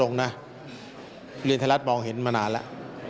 โรงเรียนธรรมดิ์มองเห็นมานานแล้ว